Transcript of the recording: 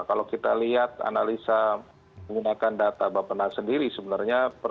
kalau kita lihat analisa menggunakan data bapak nas sendiri sebenarnya